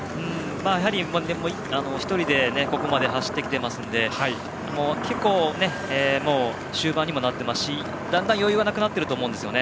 やはり、１人でここまで走ってきていますので結構、終盤になっていますしだんだん余裕はなくなっていると思うんですよね。